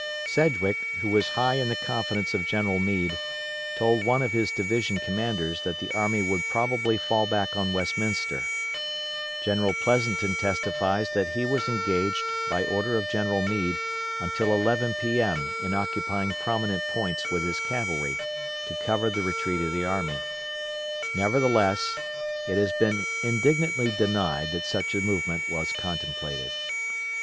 Sedgwick, who was high in the confidence of General Meade, told one of his division commanders that the army would probably fall back on Westminster. General Pleasonton testifies that he was engaged, by order of General Meade, until 11 P.M. in occupying prominent points with his cavalry, to cover the retreat of the army. Nevertheless it has been indignantly denied that such a movement was contemplated.